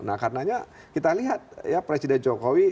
nah karenanya kita lihat ya presiden jokowi